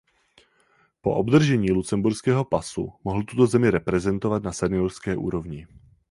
Po obdržení lucemburského pasu mohl tuto zemi reprezentovat na seniorské úrovni.